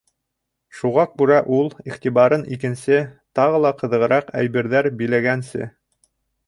Шуға күрә ул, иғтибарын икенсе, тағы ла ҡыҙығыраҡ әйберҙәр биләгәнсе: